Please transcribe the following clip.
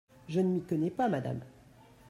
Je ne m’y connais pas, madame.